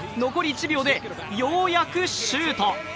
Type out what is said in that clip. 残り１秒でようやくシュート。